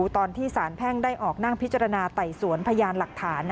ตอนที่สารแพ่งได้ออกนั่งพิจารณาไต่สวนพยานหลักฐาน